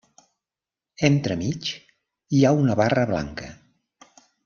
Entremig hi ha una barra blanca.